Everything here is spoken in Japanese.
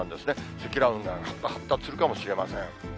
積乱雲が発達するかもしれません。